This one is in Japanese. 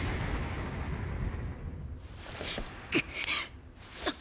くっ！